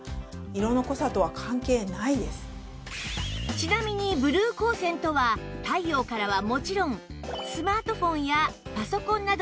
ちなみにブルー光線とは太陽からはもちろんスマートフォンやパソコンなどの画面